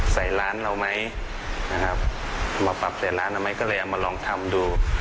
ใส่ร้านเราไหมนะครับมาปรับใส่ร้านเอาไหมก็เลยเอามาลองทำดู